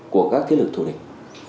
của các thế lực thủ địch